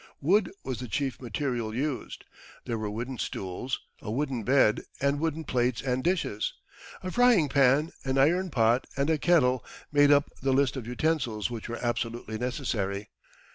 Wood was the chief material used. There were wooden stools, a wooden bed, and wooden plates and dishes. A frying pan, an iron pot, and a kettle, made up the list of utensils which were absolutely necessary.